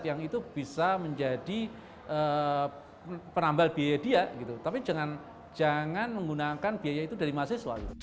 yang itu bisa menjadi penambal biaya dia gitu tapi jangan menggunakan biaya itu dari mahasiswa